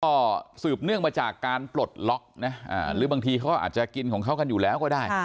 ก็สืบเนื่องมาจากการปลดล็อกนะหรือบางทีเขาอาจจะกินของเขากันอยู่แล้วก็ได้